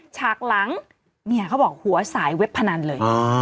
ฉากหลังเนี่ยเขาบอกหัวสายเว็บพนันเลย